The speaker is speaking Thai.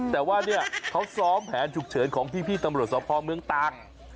แต่ว่าเนี่ยเขาซ้อมแผนฉุกเฉินของพี่ตำรวจสภเมืองตาก